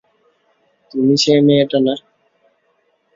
তুমি সেই মেয়েটা না?